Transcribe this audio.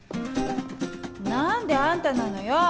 何であんたなのよ。